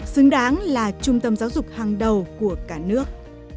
xứng đáng là trung tâm giáo dục hàng đầu của cả nước